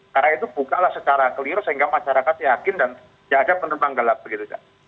karena itu buka lah secara keliru sehingga masyarakat yakin dan tidak ada penumpang gelap begitu saja